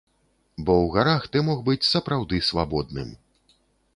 Бо ў гарах ты мог быць сапраўды свабодным.